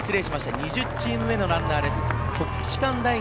２０チーム目のランナーです、国士舘大学。